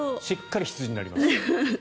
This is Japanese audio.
しっかり羊になります。